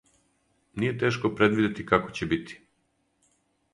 Није тешко предвидети како ће бити.